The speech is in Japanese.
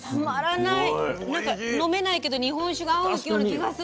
なんか飲めないけど日本酒が合うような気がする。